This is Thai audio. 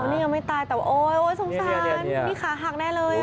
อ๋อนี่ก็ไม่ตายแต่โอ้ยสงสารมีขาหักแน่เลยอ่ะ